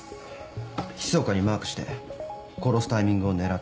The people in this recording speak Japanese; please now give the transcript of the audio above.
ひそかにマークして殺すタイミングを狙っていた。